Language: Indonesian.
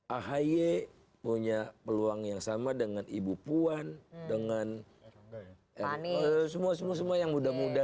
ahy punya peluang yang sama dengan ibu puan dengan semua semua yang muda muda